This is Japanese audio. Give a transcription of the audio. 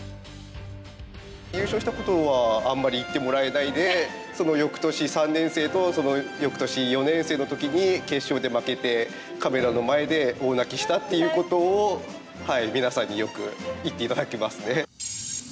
優勝したことはあんまり言ってもらえないでその翌年３年生とその翌年４年生の時に決勝で負けてカメラの前で大泣きしたっていうことをみなさんによく言って頂きますね。